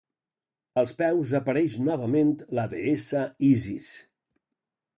Als peus apareix novament la deessa Isis.